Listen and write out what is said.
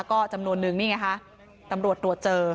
ก็จำนวนนึงนี่ไงค่ะ